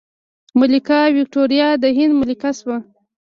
ملکه ویکتوریا د هند ملکه شوه.